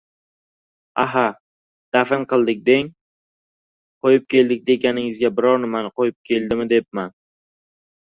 — Aha, dafn qildik deng. Qo‘yib keldik deganingizga biror nimani qo‘yib kelibdimi debman.